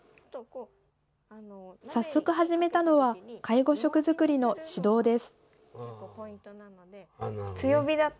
早速始めたのは、介護食作りの指導です。